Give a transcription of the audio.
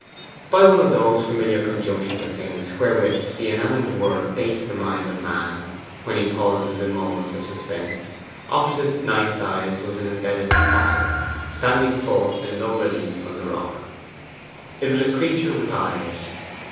By one of those familiar conjunctions of things wherewith the inanimate world baits the mind of man when he pauses in moments of suspense, opposite Knight's eyes was an imbedded fossil, standing forth in low relief from the rock. It was a creature with eyes.